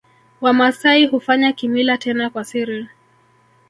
Wamasai hufanya kimila tena kwa siri